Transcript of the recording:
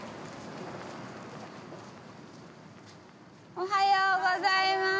おはようございまーす！